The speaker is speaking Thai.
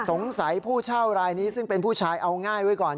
ผู้เช่ารายนี้ซึ่งเป็นผู้ชายเอาง่ายไว้ก่อน